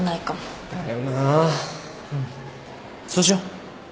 そうしよう。